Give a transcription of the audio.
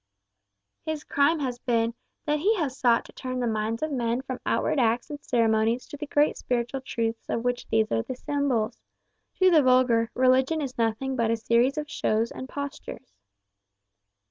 "His crime has been, that he has sought to turn the minds of men from outward acts and ceremonies to the great spiritual truths of which these are the symbols. To the vulgar, Religion is nothing but a series of shows and postures."